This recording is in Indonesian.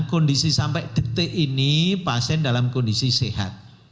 kondisi sampai detik ini pasien dalam kondisi sehat